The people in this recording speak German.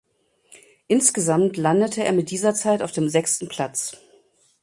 Insgesamt landete er mit dieser Zeit auf dem sechsten Platz.